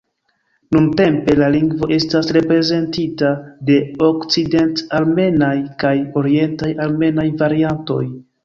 Nuntempe, la lingvo estas reprezentita de okcident-armenaj kaj orientaj armenaj variantoj.